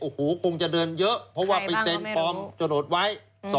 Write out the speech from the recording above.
โอ้โหคงจะเดินเยอะเพราะว่าไปเซ็นปลอมโจรดไว้